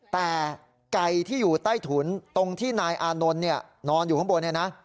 แต่ไก่ที่อยู่ใต้ถุนตรงที่นายอานนท์นอนอยู่ข้างบนเนี่ยนะ